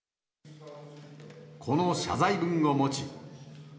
この謝罪文を持ち。